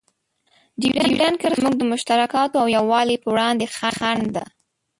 ډیورنډ کرښه زموږ د مشترکاتو او یووالي په وړاندې خنډ ده.